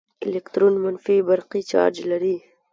الکترون منفي برقي چارچ لري.